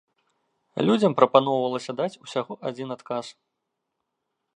Людзям прапаноўвалася даць ўсяго адзін адказ.